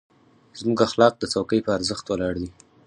زموږ اخلاق د څوکۍ په ارزښت ولاړ دي.